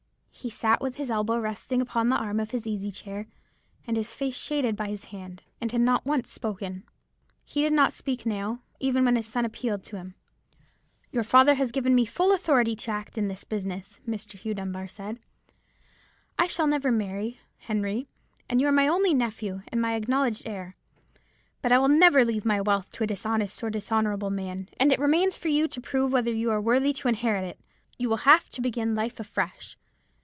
He sat with his elbow resting upon the arm of his easy chair, and his face shaded by his hand, and had not once spoken. "He did not speak now, even when his son appealed to him. "'Your father has given me full authority to act in this business,' Mr. Hugh Dunbar said. 'I shall never marry, Henry, and you are my only nephew, and my acknowledged heir. But I will never leave my wealth to a dishonest or dishonourable man, and it remains for you to prove whether you are worthy to inherit it. You will have to begin life afresh.